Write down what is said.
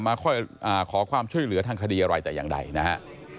มาขอความช่วยเหลือทั้งคดีหน่อยดายังใดนะฮะ